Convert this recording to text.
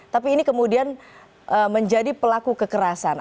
tapi ini kemudian menjadi pelaku kekerasan